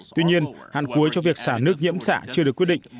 tuy nhiên hạn cuối cho việc xả nước nhiễm xạ chưa được quyết định